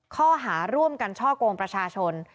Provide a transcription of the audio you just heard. ข้อหาร่วมกันช่อกงประชาชน